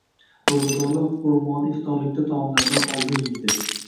Roʻzadorlar xurmoni iftorlikda taomlardan oldin ydi